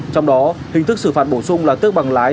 trong đó hình thức xử phạt bổ sung là tước bằng lái